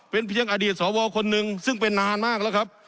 เป็นเพียงอดีตสวคนนึงซึ่งเป็นนานมากแล้วครับ